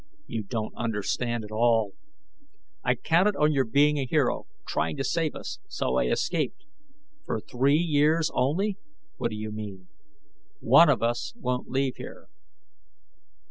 "You don't understand at all " "I counted on your being a hero, trying to save us. So, I escaped." "For three years only." "What do you mean?" "One of us won't leave here."